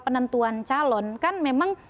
penentuan calon kan memang